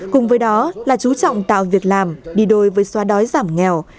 cùng với đó là chú trọng tạo việc làm đi đôi với xóa đói giảm nghèo